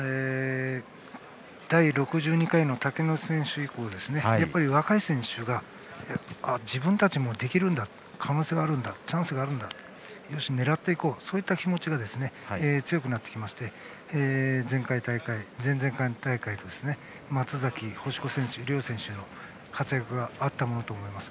第６２回の竹ノ内選手以降やっぱり若い選手が自分たちもできるんだ可能性があるんだチャンスがあるんだよし狙っていこうという気持ちが強くなってきまして前回大会、前々回大会と松崎、星子両選手の活躍があったものと思います。